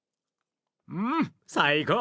うん最高！